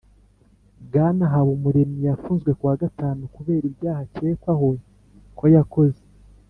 Bwana Habumuremyi yafunzwe ku wa gatanu kubera ibyaha akekwaho ko yakoze